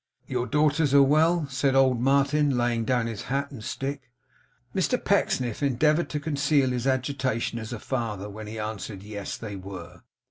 'Your daughters are well?' said old Martin, laying down his hat and stick. Mr Pecksniff endeavoured to conceal his agitation as a father when he answered Yes, they were.